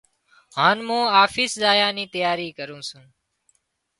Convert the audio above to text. هانَ مُون آفيس زايا نِي تياري ڪروُن سُون۔